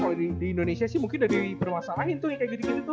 kalo di indonesia sih mungkin udah dibermasalahin tuh yang kayak gitu gitu tuh